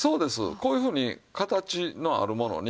こういうふうに形のあるものに。